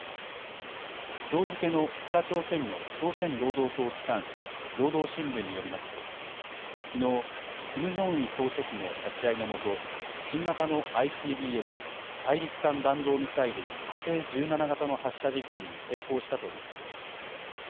きょう付けの北朝鮮の朝鮮労働党機関紙、労働新聞によりますときのうキム・ジョンウン総書記の立ち会いのもと新型のＩＣＢＭ・大陸間弾道ミサイル火星１７型の発射実験に成功したということです。